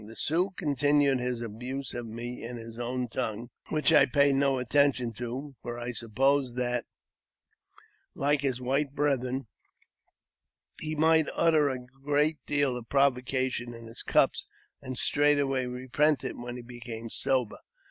The Sioux continued his abuse of me in his own tongue, which I paid no attention to, for I supposed that, like his white brethren, he might utter a great deal of provocation in his cups, and straightway repent it when he became sober.